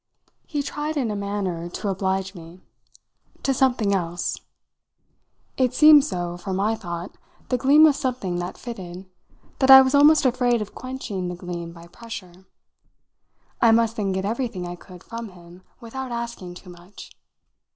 He tried in a manner to oblige me. "To something else." It seemed so, for my thought, the gleam of something that fitted, that I was almost afraid of quenching the gleam by pressure. I must then get everything I could from him without asking too much.